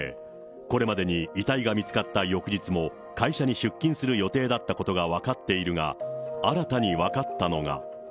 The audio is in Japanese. これまでに遺体が見つかった翌日も、会社に出勤する予定だったことが分かっているが、新たに分かったのが。